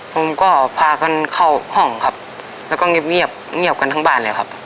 ผมก็พากันเข้าห้องครับแล้วก็เงียบเงียบกันทั้งบ้านเลยครับ